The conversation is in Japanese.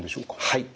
はい。